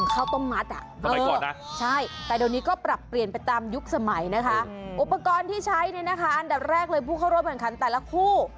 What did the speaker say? ข้าวต้มมัดอ่ะสมัยก่อนนะใช่แต่เดี๋ยวนี้ก็ปรับเปลี่ยนไปตามยุคสมัยนะคะอุปกรณ์ที่ใช้เนี่ยนะคะอันดับแรกเลยผู้เข้าร่วมแข่งขันแต่ละคู่